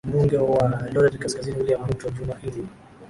mbunge wa eldoret kaskazini william ruto juma hili